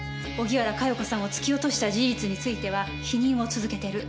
荻原佳代子さんを突き落とした事実については否認を続けてる。